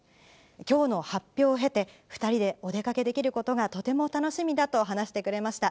きょうの発表を経て、２人でお出かけできることがとても楽しみだと話してくれました。